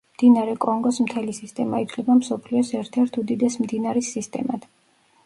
მდინარე კონგოს მთელი სისტემა ითვლება მსოფლიოს ერთ-ერთ უდიდეს მდინარის სისტემად.